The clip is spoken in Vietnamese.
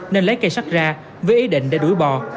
nên lấy cây sắt ra với ý định để đuổi bò